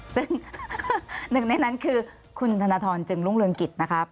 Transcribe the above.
ซึ่งหนึ่งในนั้นคือคุณธนทรจึงรุ่งเรืองกิจนะครับ